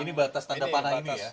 ini batas tanda panah ini ya